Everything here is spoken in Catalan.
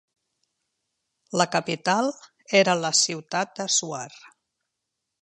La capital era la ciutat de Suar.